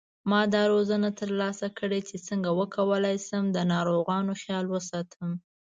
ما دا روزنه تر لاسه کړې چې څنګه وکولای شم د ناروغانو خیال وساتم